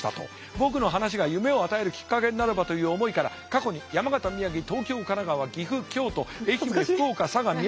僕の話が夢を与えるきっかけになればという思いから過去に山形宮城東京神奈川岐阜京都愛媛福岡佐賀宮崎。